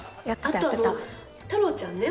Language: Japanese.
あと太郎ちゃんね。